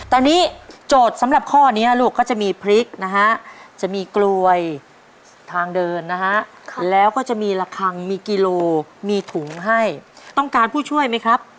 ตอนนี้โจทย์สำหรับข้อนี้ลูกก็จะมีพริกนะฮะจะมีกลวยทางเดินนะฮะแล้วก็จะมีระคังมีกิโลมีถุงให้ต้องการผู้ช่วยไหมครับ